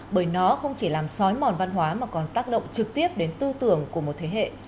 bởi nó không chỉ làm sói mòn văn hóa mà còn tác động trực tiếp đến tư tưởng của một thế hệ